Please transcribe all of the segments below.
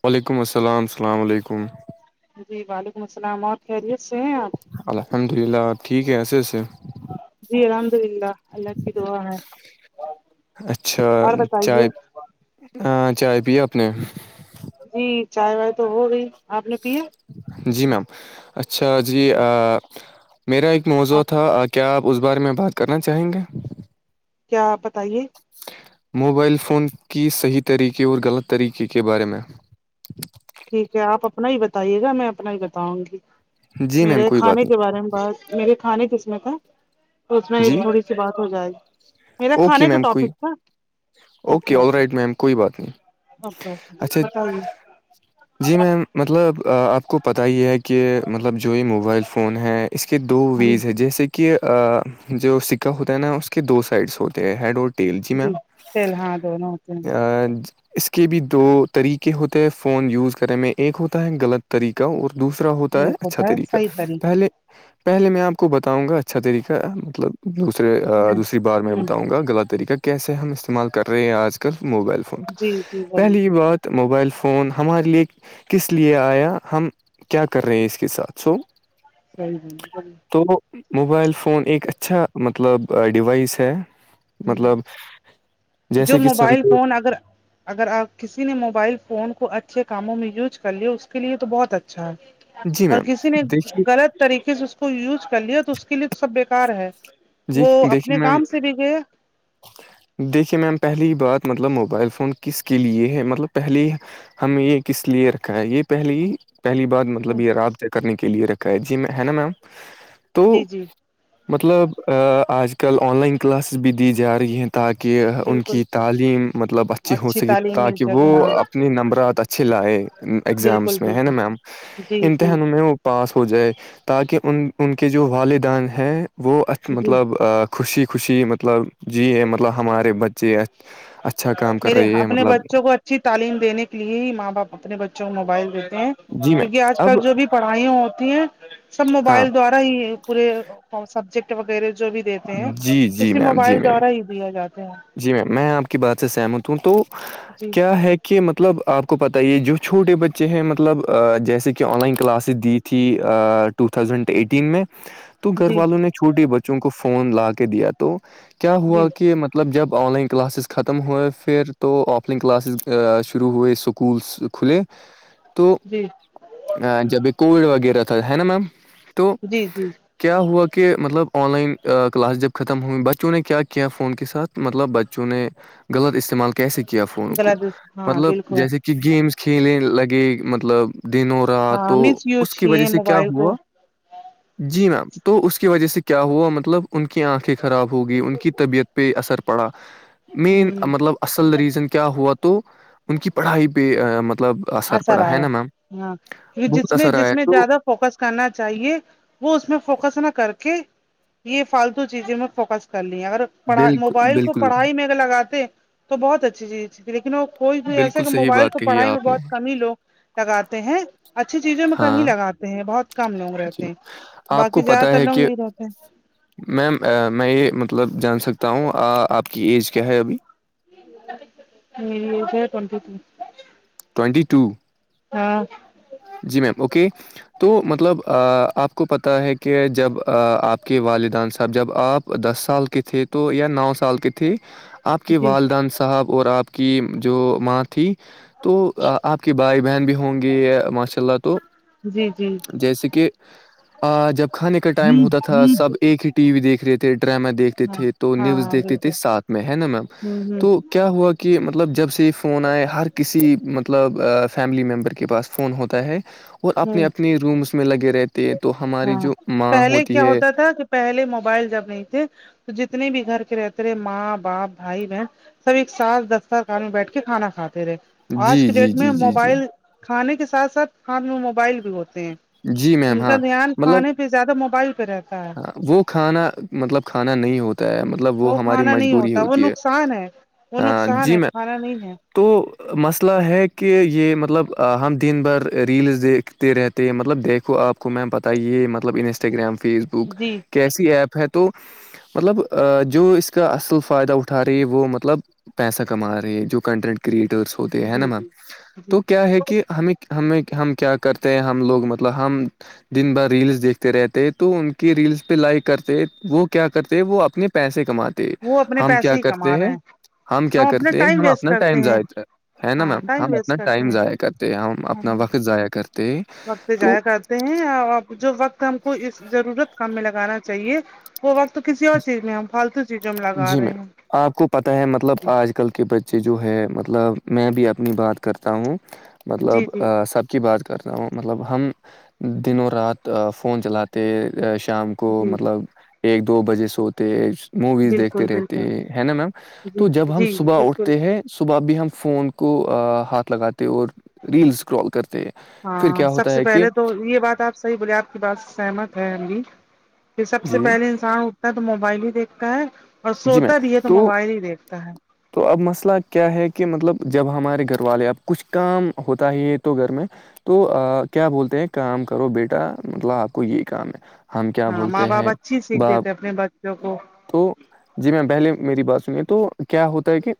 وعلیکم السلام السلام علیکم جی وعلیکم السلام اور خیریت سے ہیں اپ الحمد للہ ٹھیک ہے ایے اسے جی الحمد للہ اللہ کی دعان ہے اچھا اور بتائیے -چائے ہاں چائے پے اپ نے جی چائے وائے تو ہو گئی آپ نے پیا جی میم اچھا جی میرا ایک موضوع اور تھا کیا آپ اس بارے میں بات کرنا چاہیں گے کیا آپ بتائیے موبائل فون کی صحیح طریقے اور غلط طریقے کے بارے میں ٹھیک ہے آپ اپنا ہی بتائیے گا میں اپنا ہی بتاؤں گی جی میم میرے کوئی بات کھانے کے نہیں بارے میں بات میرے کھانے جس میں کا اس میں جی تھوڑی سی بات ہو جائے میرا اوکے کھانے کا میم کوئی ٹاپک تھا اوکے آل رائٹ میم کوئی بات نہیں اوکے اچھا اوکے بتائیے جی میم مطلب آپ کو پتہ ہی ہے کہ مطلب جو یہ موبائل فون ہے اس کے دو جی ویز ہے جیسے کہ کہ جو سکہ ہوتا ہے نا اس کے دو سائڈس ہوتے ہیں ہیڈ اور ٹیل جی میم چل ہاں دو نوک اس کے بھی دو طریقے ہوتے ہیں فون یوز کرنے میں ایک ہوتا ہے غلط طریقہ اور دوسرا ہوتا ہے ایک اچھا طریقہ صحیح طریق پہلے پہلے میں آپ کو بتاؤں گا اچھا طریقہ- مطلب دوسرے ہ دوسری بار میں ہ بتاؤں گا غلط طریقہ کیسے ہم استعمال کر رہے ہیں آج کل موبائل فون جی جی بولیے پہلی بات موبائل فون ہمارے لیے کس لیے آیا ہم کیا کر رہے ہیں اس کے ساتھ سو صی جی تو موبائل فون ایک اچھا مطلب ڈیوائس ہے مطلب جو جیسے کہ موبائل سمجھو فون اگر اگر آپ کسی نے موبائل فون کو اچھے کاموں میں یوز کر لیا اس کے لیے تو بہت اچھا ہے جی اور میم کسی نے دیکھیے غلط طریقے سے اس کو یوز کر لیا تو اس کے لیے تو سب بیکار ہے جی وہ اپنے دیکھیے میم کام سے بھی گیا دیکھیے میم پہلی بات مطلب موبائل فون کس کے لیے ہے مطلب پہلے ہم یہ کس لیے رکھا ہے یہ پہلی پہلی بات ہ مطلب یہ رابطے کرنے کے لیے رکھا ہے جی میں ہے نا میم جی تو جی مطلب آج کل آن لائن کلاسز بھی دی جا رہی ہیں تاکہ ان بالکل کی تعلیم مطلب اچھی ہو سکے تعلیم مل تاکہ وہ سکے ہاں اپنے نمبرات اچھے لائے بالکل اگزامس میں ہے نا بالکل میم جی جی امتحانوں میں پاس ہو جائے تاکہ ان ان کے جو والدین ہیں وہ جی مطلب خوشی خوشی مطلب جی ہے مطلب ہمارے بچے اچھا کام کر میرے رہی ہے اپنے مطلب بچوں کو اچھی تعلیم دینے کے لیے ہی ماں باپ اپنے بچوں کو موبائل دیتے ہیں جی میم کیونکہ آج اب کل جو بھی پڑھائیا ہوتی ہیں سب ہاں موبائل دوارا پورے سبجیکٹ وغیرہ جو بھی دیتے ہیں جی جی اسے میم جی موبائل میم دورہ ہی دیا جاتے ہیں جی میم میں آپ کی بات سے سہمت ہوں تو جی کیا ہے کہ مطلب آپ کو پتہ ہی ہے جو چھوٹے بچے ہیں مطلب جیسے آن لائن کلاسز دی تھی ٹو تھاؤزینڈ ایٹین میں تو گھر جی والوں نے چھوٹی بچوں کو فون لا کے دیا تو کیا ہوا جی کہ مطب مطلب جب آن لائن کلاسز ختم ہوئے پھر تو آف لائن کلاسز شروع ہوئے اسکولس کھلے تو جی جب یہ کووڈ وغیرہ تھا ہے نا میم تو جی جی کیا ہوا کہ مطلب آن لائن کلاس جب ختم ہوئی بچوں نے کیا کیا فون کے ساتھ مطلب بچوں نے غلط استعمال کیسے کیا فون کو غلط ہاں مطلب بالکل جیسے کہ گیمس کھیلنے لگے مطلب دنوں رات ہاں تو مس اس یوز کی وجہ کیے سے کیا موبائل کو ہوا جی میم تو اس کی وجہ سے کیا ہوا مطلب مطلب ان کی آنکھیں خراب ہو گی ان کی طبیعت پہ اثر پڑا مین ہ مطلب اصل ریزن کیا ہوا تو ان کی پڑھائی پہ مطلب اثر پڑا ہے آیا نا میم ہاں یہ بہت جس میں اثر جس آیا میں تو زیادہ فوکس کرنا چاہیے وہ اس میں فوکس نہ کر کے یہ فالتو چیزیں میں فوکس کر‌ لیا اگر پڑھائی بالکل موبائل کو بالکل پڑھائی میں اگر لگاتے تو بہت اچھی چیز تھی لیکن وہ کوئی بھی ایسے بالکل کہ صحیح موبائل بات کو کہی ہے پڑھائی میں آپ نے بہت کم لوگ لگاتے ہیں اچھی چیزوں میں ہاں کمی ہی لگاتے ہیں بہت کم لوگ جی رہتے ہیں آپ کو باقی پتہ زیادہ تر ہے لوگ کہ یہ رہتے ہیں میم میں یہ مطلب جان سکتا ہوں آپ کی ایج کیا ہے ابھی میری ایج ہے ٹوینٹی ٹو ٹوینٹی ٹو ہاں جی میم اوکے تو مطلب آپ کو پتا ہے کہ جب آپ کے والدین سے سب جب آپ دس سال کے تھے تو یا نو سال کی تھی آپ کے جی والدین صاحب اور آپ کی جو ماں تھی تو آپ کی بھائی بہن بھی ہوں گی ماشاء اللہ تو جی جی جیسے کہ آ جب کھانے کا ٹائم ہوتا تھا سب ہاں ایک ہی ٹی وی دیکھ رہے تھے ڈراما دیکھتے ہاں تھے تو نیوز ہاں دیکھتے تھے بالکل ساتھ میں ہے نا میم ہوں ہوں تو کیا ہوا کہ مطلب جب سے فون آئے ہر کسی مطلب فیملی ممبر کے پاس فون ہوتا ہے اور اپنے ہوں اپنے رومس میں لگے رہتے ہیں تو ہماری ہاں جو ماں پہلے ہوتی کیا ہے ہوتا تھا کہ پہلے موبائل جب نہیں تھے تو جتنے بھی گھر کے رہتے رہے ماں باپ بھائی بہن سب ایک ساتھ دستار خان میں بیٹھ کے کھانا کھاتے رہے جی آج کے جی ڈیٹ میں جی جی جی موبائل کھانے کے ساتھ ساتھ ہاتھ میں موبائل بھی ہوتے ہیں جی میم ان کا ہاں دھیان مطلب کھانے پہ زیادہ موبائل پہ رہتا ہے ہاں، وہ کھانا مطلب کھانا نہیں ہوتا ہے مطلب مطلب وہ ہماری کھانا نہیں مجبوری ہوتا وہ ہوتی ہے نقصان وہ نقصان جی ہے میں کھانا نہیں ہے تو مسئلہ ہے کہ یہ مطلب ہم دن بھر ریلز دیکھتے رہتے ہے مطلب دیکھو آپ کو میم پتہ یہ مطلب انسٹاگرام فیس بک جی کہ کیسی ایپ ہے تو مطلب جو اس کا اصل فائدہ اٹھا رہی ہے وہ مطلب پیسہ کما رہے ہیں جو کنٹینٹ کریٹرس ہوتے ہے نا جی میم جی جی تو کیا ہے کہ ہمیں ہمیں ہم کیا کرتے ہیں ہم لوگ مطلب ہم دن بھر ریلس دیکھتے رہتے تو ان کے ریلس پہ لائک کرتے وہ کیا کرتے وہ اپنے پیسے کماتے وہ اپنے ہم پیسے کیا ہی کما کرتے رہے ہیں ہم کیا اپنا کرتے ہیں ٹائم ہم ویسٹ اپنا کرتے ٹائم ہیں ضائع کرتے ہے نا ہاں میم ٹائم ہم اپنا ویسٹ کرتے ٹائم ہیں ضائع کرتے ہم ہاں اپنا وقت ضائع کرتے وقت تو ضائع کرتے ہیں جو وقت ہم کو اس ضرورت کام میں لگانا چاہیے وہ وقت تو کسی اور چیز میں ہم فالتو چیزوں میں لگا رہے ہیں آپ کو پتہ ہے مطلب آج کل کے بچے جو ہے مطلب میں بھی اپنی بات کرتا ہوں جی جی مطلب جی سب کی بات کرتا ہوں مطلب ہم دن رات فون چلاتے شام کو جی مطلب ایک دو بجے سوتے موویز دیکھتے بالکل رہتے بالکل ہے نا میم جی تو جب ہم جی صبح بالکل اٹھتے ہیں صبح بھی ہم فون کو ہاتھ لگاتے اور ریلز سکرال کرتے ہیں پھر ہاں کیا سب ہوتا سے ہے کہ پہلے تو یہ بات آپ صحیح بولے آپ کی بات سے سہمت ہے ہم‌ بھی پھر سب سے جی پہلے انسان اٹھتا ہے تو موبائل ہی دیکھتا ہے اور جی میم سوتا بھی ہے تو موبائل ہی دیکھتا ہے تو اب مسئلہ کیا ہے کہ مطلب جب ہمارے گھر والے اب کچھ کام ہوتا ہی یہ تو گھر میں تو کیا بولتے ہیں کام کرو بیٹا مطلب آپ کو یہی کام ہے ہم کیا ہاں ماں بولتے باپ ہیں اچھی سیکھ باپ دیتے اپنے بچوں کو تو جی میم پہلے میری بات سنیے تو کیا ہوتا ہے کہ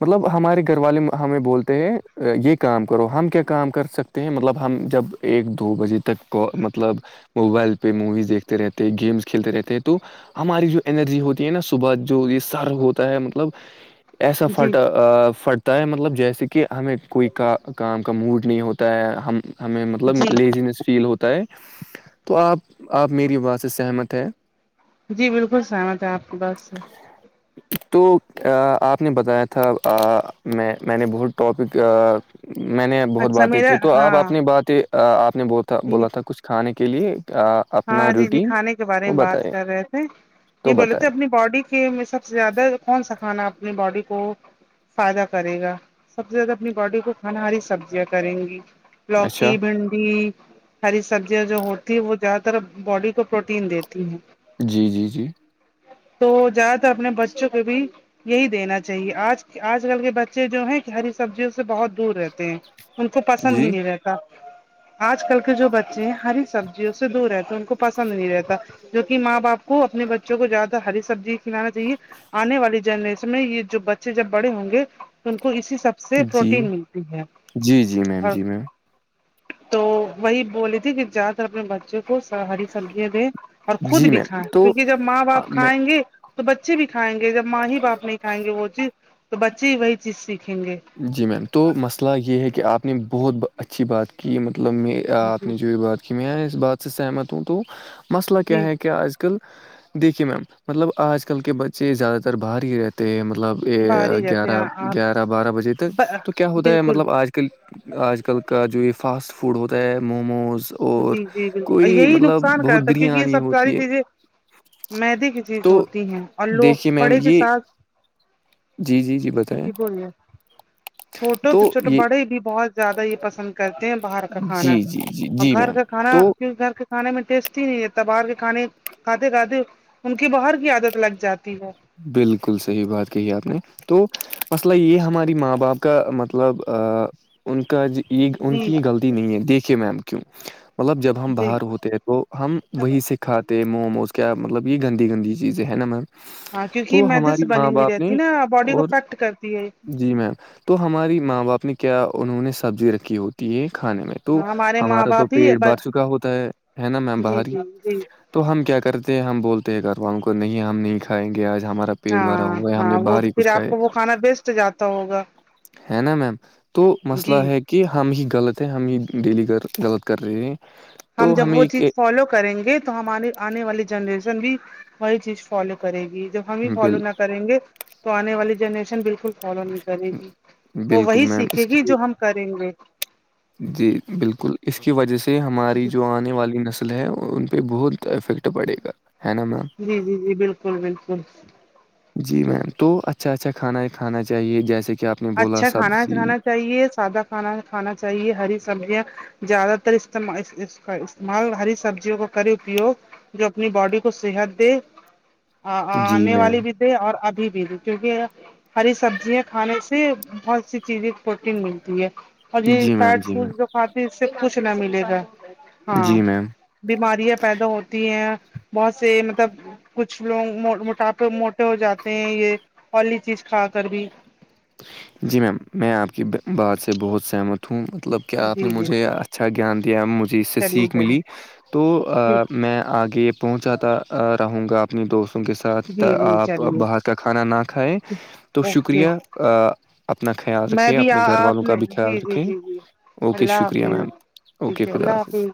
مطلب ہمارے گھر والے ہمیں بولتے ہیں یہ کام کرو ہم کیا کام کر سکتے ہیں مطلب ہم جب ایک دو بجے تک کو مطلب موبائل پہ موویز دیکھتے رہتے ہیں گیمس کھیلتے رہتے ہیں تو ہماری جو انرجی ہوتی ہے نا صبح جو یہ سر ہوتا ہے مطلب ایسا جی فٹا فٹ تا ہے مطلب جیسے کہ ہمیں کوئی کا کام کا موڈ نہیں ہوتا ہے ہم ہمیں مطلب جی لیزنیس فیل ہوتا ہے تو آپ آپ میری باز سے سہمت ہے جی بالکل سہمت ہے آپ کی بات سے تو آپ نے بتایا تھا میں میں نے بہت ٹاپک میں نے بہت اچھا باتیں کی میرا تو آپ اپنی ہاں باتیں آپ نے بولا تھا کچھ کھانے کے لیے ہاں اپنا جی جی روٹین کھانے کے بارے تو میں بات بتائے کر رہے تھے تو یہ بولے تھے بتائے اپنی باڈی کے سب سے زیادہ کون سا کھانا اپنی باڈی کو فائدہ کرے گا سب سے زیادہ اپنی باڈی کو کھانا ہاری سبزیاں کریں گی لوکی اچھا بھنڈی ہری سبزیاں جو ہوتی ہے وہ طرف باڈی کو پروٹین دیتی ہیں جی جی جی تو جایا تھا اپنے بچوں کے بھی یہی دینا چاہیے آج آج کل کے بچے جو ہیں ہری سبزیوں سے بہت دور رہتے ہیں ان کو پسند ہی جی نہیں رہتا آج کل کے جو بچے ہیں ہری سبزی دور رہتا ان کو پسند نہیں رہتا جو کہ ماں باپ کو اپنے بچوں کو زیادہ ہری سبزی انا چاہیے آنے والی جنریشن میں یہ جو بچے جب بڑے ہوں گے ان کو اسی سب سے جی پروٹین ملتی ہے جی جی میم اور جی میم تو وہی بولی تھی کہ جہدہ تر اپنے بچ ہری سبزیاں دیں اور خود جی بھی میم کھائیں تو کیونکہ جب ماں باپ میں کھائیں گے تو بچے بھی کھائیں گے جب ماں ہی باپ نہیں کھائیں گے وہ چیز تو بچے ہی وہی چیز سیکھیں گے جی میم تو مسئلہ یہ ہے کہ آپ نے بہت اچھی بات کی مطلب میں آپ جی نے جو بھی بات کی میں اس بات سے سہمت ہوں تو مسئلہ کیا جی ہے کہ آج کل کل دیکھیے میم مطلب آج کل کے بچے زیادہ تر باہر ہی رہتے ہیں مطلب یہ باہر ہی رہتے ہیں گیارہ آپ گیارہ بارہ بجے تو کیا ہوتا ہے بالکل مطلب آج کل آج کل کا جو یہ فاسٹ فوڈ ہوتا ہے موموز اور جی جی بالکل کوئی یہی مطلب نقصان کا بہت تھا کیونکہ یہ بریانی سب ساری ہوتی ہے چیزیں مدی کی چیز تو ہوتی ہیں اور لوگ دیکھیے میم پڑے کے یہ ساتھ جی جی ج بتائیں جی بولے چھوٹو تو چھوٹو بڑے بھی بہت زیادہ ہی پسند کرتے ہیں باہر کا جی کھانا جی جی اور جی گھر میم کا کھانا تو کی گھر کا کھانے میں ٹیسٹ ہی نہیں رہتا باہر کے کھانے کھاتے کھاتے ان کی باہر کی عادت لگ جاتی ہے بالکل صحیح بات کہی ہے آپ نے تو مسئلہ یہ ہماری ماں باپ کا مطلب ان کا یہ ان جی کی یہ غلطی نہیں ہے دیکھے میم کیوں مطلب جب ہم جی باہر ہوتے ہیں تو ہم وہی سے کھاتے تو موموز کیا مطلب یہ گند گند چیزیں ہیں نا مب ہاں کیونکہ میدے سے بنی ہوئی رہتی ہے نا باڈی کو اور فیکٹ کرتی ہے جی میم تو ہماری ماں باپ نے کیا انہوں نے سبزی رکھی ہوتی ہے کھانے میں تو ہمارے ماں ہمارا تو باپ ہی پیٹ بھر چکا ہوتا ہے ہے نا میم جی باہر ہی جی جی تو ہم کیا کرتے ہیں ہم بولتے ہیں گھر والاروں کو نہیں ہم نہیں کھائیں گے آج ہمارا پیٹ بھرا ہاں ہوا ہے ہم ہاں نے وہ باہر تو ہی پھر کچھ آپ کھائے کو وہ کھانا بیسٹ جاتا ہوگا ہے نا میم تو مسئلہ جی ہے کہ ہم ہی غلط ہے ہم ہی ڈیلی غلط کر رہے ہیں ہم تو جب وہ ہمیں کہ چیز فالو کریں گے تو ہمارے آنے والی جنریشن بھی وہی چیز فالو کرے گی جب ہم ہی فالو بل نہ کریں گے تو آنے والی جنریشن بالکل فالو نہیں کرے گی وہ بالکل وہی میم اس سیکھے گی کی جو ہم کریں گے جی بالکل اس کی وجہ سے ہماری جو آنے والی نسل ہے ان پہ بہت افیکٹ پڑے گا ہے نا میم جی جی جی بالکل بالکل جی میم تو اچھا اچھا کھانا کھانا چاہیے جیسے کہ آپ نے بولا اچھا کھانا سبزی کھانا چاہیے سادہ کھانا کھانا چاہیے ہری سبزیاں زیادہ تر کا استعمال ہری سبزیوں کا کرے اپیوگ جو اپنی باڈی کو صحت دے جی آنے میم والی بھی تھھی اور ابھی بھی تھی کیونکہ ہری سبزیاں کھانے سے بہت سی چیزیں پروٹین ملتی ہے اور یہ جی میم فٹ جی میم فوڈ باقی اس سے کچھ نہ ملے گا ہاں جی میم بیماریاں پیدا ہوتی ہیں بہت سے مطلب کچھ لوگ موٹاپے موٹے ہو جاتے ہیں یہ ائلی چیز کھا کر بھی جی میم میں آپ کی بات سے بہت سہمت ہوں مطلب کہ آپ نے جی جی مجھے اچھا گیان دیا مجھے اس سے چلیے سیکھ چلیے ملی تو ٹھیک میں یہ آگے پہنچاتا رہوں گا اپنی دوستوں کے ساتھ جی جی آپ باہر چلیے کا کھانا نہ کھائیں تو اوکے شکریہ آ، اپنا خیال میں رکھے بھی اپنے گھر والوں آپ کا نے بھی خیال جی جی رکھے جی جی اوکے اللہ شکریہ حافظ میم اوکے ٹھیک ہے اللہ خدا حافظ